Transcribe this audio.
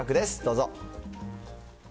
どうぞ。